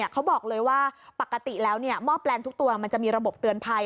เขาบอกเลยว่าปกติแล้วหม้อแปลงทุกตัวมันจะมีระบบเตือนภัย